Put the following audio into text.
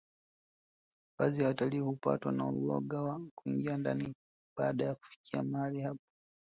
baadhi ya watalii hupatwa na uoga wa kuingia ndani baada ya kufikia mahali hapo